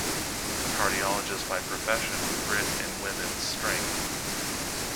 A Cardiologist by profession with grit and women strength.